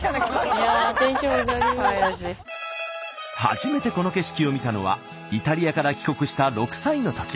初めてこの景色を見たのはイタリアから帰国した６歳のとき。